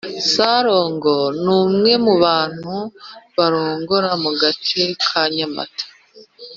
sarongo numwe mubantu barogora mugace ka nyamata